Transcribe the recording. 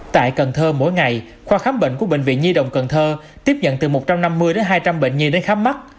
tại cần thơ mỗi ngày khoa khám bệnh của bệnh viện nhi đồng cần thơ tiếp nhận từ một trăm năm mươi đến hai trăm linh bệnh nhi đến khám mắt